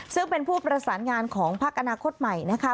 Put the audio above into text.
ซึ่งเป็นผู้ประสานงานของพักอนาคตใหม่นะคะ